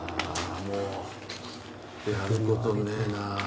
もうやることねえな